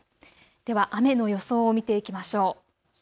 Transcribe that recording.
では雨の予想を見ていきましょう。